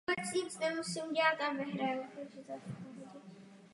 Rozhodující v boji s maďarskými útočníky byla bitva o Zvolen.